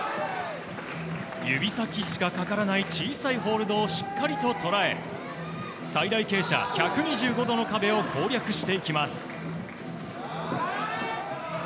指先しかかからない小さいホールドをしっかり捉え最大傾斜１２５度の壁を攻略してきます。